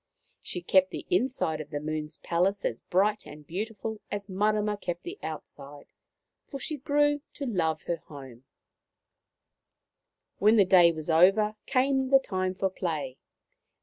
She kept the inside of the Moon palace as bright and beautiful as Marama kept the outside, for she grew to love her home. On the Moon 143 When the day was over came the time for play.